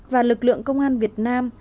và lực lượng công an việt nam